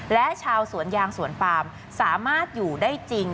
และชาวสวนยางสวนปามสามารถอยู่ได้จริง